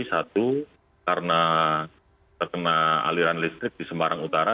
satu karena terkena aliran listrik di semarang utara